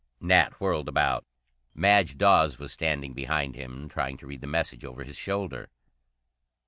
Nat whirled about. Madge Dawes was standing behind him, trying to read the message over his shoulder.